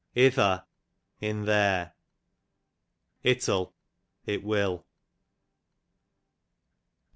Ither, in their. Ittle, it will.